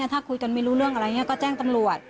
ถ้าคุยกันไม่รู้เรื่องอะไรก็แจ้งตังหลัว